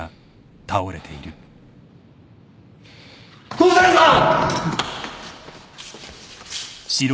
・・香坂さん！